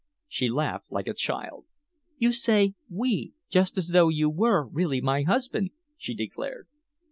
She laughed like a child. "You say 'we' just as though you were really my husband," she declared.